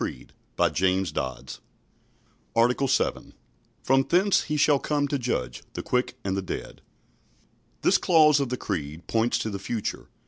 " ARTICLE 7 From thence He shall come to judge the quick and the dead This clause of the Creed points to the future.